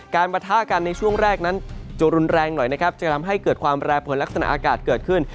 ปะทะกันในช่วงแรกนั้นจะรุนแรงหน่อยนะครับจะทำให้เกิดความแปรผลลักษณะอากาศเกิดขึ้น